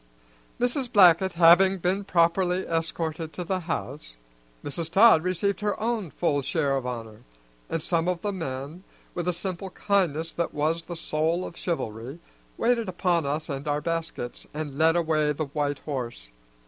Mrs. Blackett having been properly escorted to the house, Mrs. Todd received her own full share of honor, and some of the men, with a simple kindness that was the soul of chivalry, waited upon us and our baskets and led away the white horse.